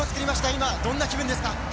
今どんな気分ですか？